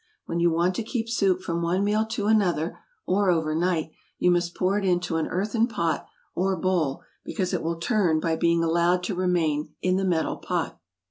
When you want to keep soup from one meal to another, or over night, you must pour it into an earthen pot, or bowl, because it will turn by being allowed to remain in the metal pot.